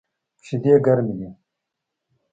شیدې ګرمی دی